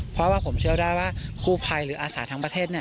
เพราะว่าผมเชื่อได้ว่ากู้ภัยหรืออาสาทั้งประเทศ